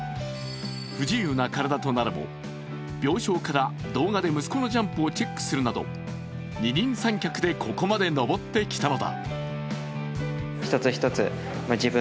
不自由な体となるも、病床から動画で息子のジャンプをチェックするなど二人三脚でここまで上ってきたのだ。